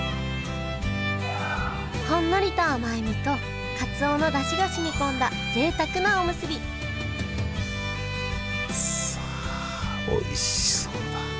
ほんのりと甘い身とかつおのだしが染み込んだぜいたくなおむすびさあおいしそうだ。